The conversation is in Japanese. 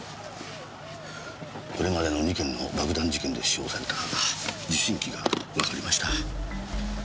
これまでの２件の爆弾事件で使用された受信機がわかりました。